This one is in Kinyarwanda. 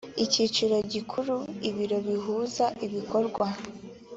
icyicaro gikuru ibiro bihuza ibikorwa